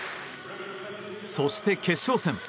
そして、決勝戦。